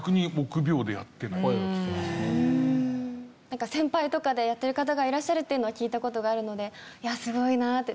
なんか先輩とかでやってる方がいらっしゃるっていうのは聞いた事があるのでいやすごいなって。